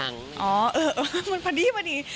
อังกฎแบบนี้